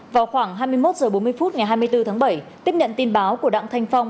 vào khoảng hai mươi một h bốn mươi phút ngày hai mươi bốn tháng bảy tiếp nhận tin báo của đặng thanh phong